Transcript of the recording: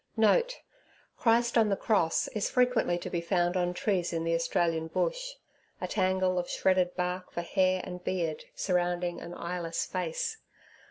*[* 'Christ on the Cross' is frequently to be found on trees in the Australian Bush—a tangle of shredded bark for hair and beard surrounding an eyeless face.